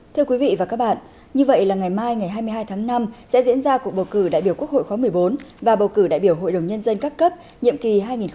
thưa quý vị và các bạn như vậy là ngày mai ngày hai mươi hai tháng năm sẽ diễn ra cuộc bầu cử đại biểu quốc hội khóa một mươi bốn và bầu cử đại biểu hội đồng nhân dân các cấp nhiệm kỳ hai nghìn hai mươi một hai nghìn hai mươi sáu